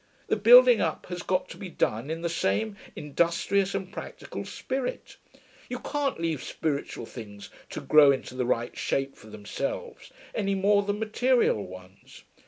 The building up has got to be done in the same industrious and practical spirit; you can't leave spiritual things to grow into the right shape for themselves, any more than material ones.